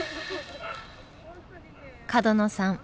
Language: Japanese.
角野さん